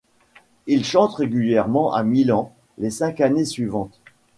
Il chante régulièrement à Milan les cinq années suivantes.